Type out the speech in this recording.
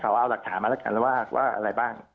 เขาเอาหลักฐานมาแล้วกันว่าอะไรบ้าง